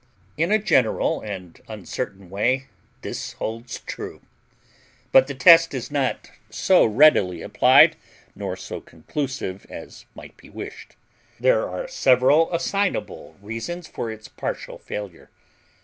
In a general and uncertain way this holds true, but the test is not so readily applied nor so conclusive as might be wished. There are several assignable reasons for its partial failure.